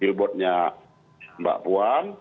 pilbotnya mbak puan